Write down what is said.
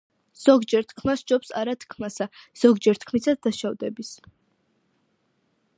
ზოგჯერ თქმა სჯობს არა-თქმასა, ზოგჯერ თქმითაც დაშავდების,